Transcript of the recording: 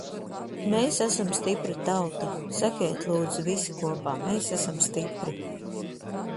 Mēs esam stipra tauta! Sakiet, lūdzu, visi kopā – mēs esam stipri!